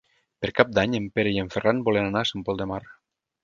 Per Cap d'Any en Pere i en Ferran volen anar a Sant Pol de Mar.